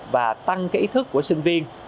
và tăng ý thức của sinh viên